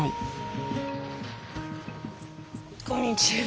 こんにちは。